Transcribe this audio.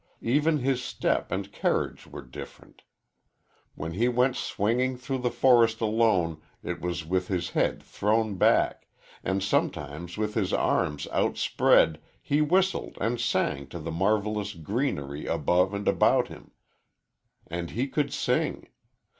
Even his step and carriage were different. When he went swinging through the forest alone it was with his head thrown back, and sometimes with his arms outspread he whistled and sang to the marvelous greenery above and about him. And he could sing.